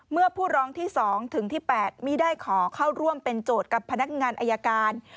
เมื่อผู้ร้องที่๒ถึงที่๘ไม่ได้ขอเข้าร่วมเป็นโจทย์กับพนักงานอายการ